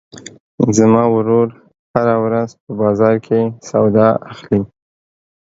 زما ورور هره ورځ په بازار کې سودا اخلي.